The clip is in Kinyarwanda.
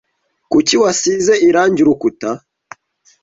Kuki wasize irangi urukuta?